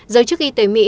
giới chức y tế mỹ